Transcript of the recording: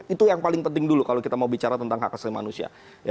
itu yang paling penting dulu kalau kita mau bicara tentang hak asli manusia